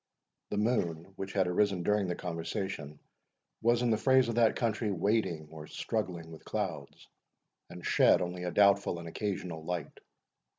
The moon, which had arisen during their conversation, was, in the phrase of that country, wading or struggling with clouds, and shed only a doubtful and occasional light.